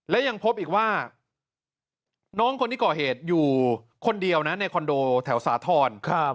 และยังพบอีกว่าน้องคนที่ก่อเหตุอยู่คนเดียวนะในคอนโดแถวสาธรณ์